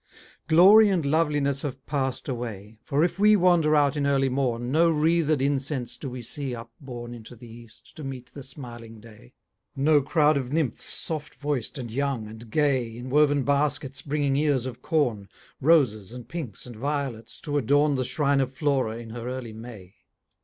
Glory and loveliness have passed away; For if we wander out in early morn, No wreathed incense do we see upborne Into the east, to meet the smiling day: No crowd of nymphs soft voic'd and young, and gay, In woven baskets bringing ears of corn, Roses, and pinks, and violets, to adorn The shrine of Flora in her early May.